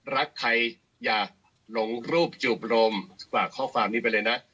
รักใครอยากหลงรูปจูบรมฝากข้อความนี้ไปเลยนะ